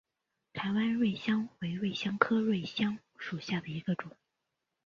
台湾瑞香为瑞香科瑞香属下的一个种。